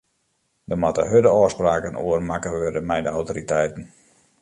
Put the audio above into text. Dêr moatte hurde ôfspraken oer makke wurde mei de autoriteiten.